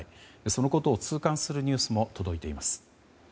そのことを痛感するニュースも届いています。